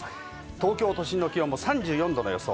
東京都心の気温も３４℃の予想。